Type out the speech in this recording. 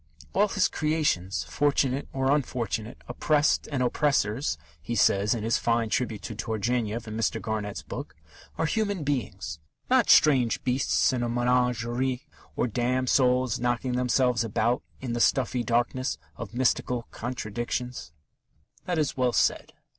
"All his creations, fortunate or unfortunate, oppressed and oppressors," he says in his fine tribute to Turgenev in Mr. Garnett's book, "are human beings, not strange beasts in a menagerie, or damned souls knocking themselves about in the stuffy darkness of mystical contradictions." That is well said.